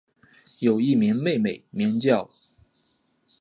有一位妹妹名叫。